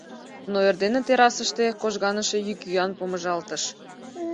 Но эрдене террасыште кожганыше йӱк-йӱан помыжалтыш.